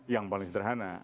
yang paling sederhana